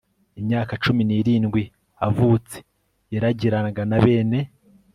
imyaka cumi n irindwi avutse yaragiranaga na bene